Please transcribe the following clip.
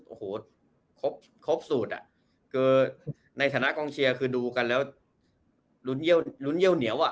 โอ้โหครบสุดในฐานะกองเชียร์คือดูกันแล้วหลุนเยี่ยวเหนียว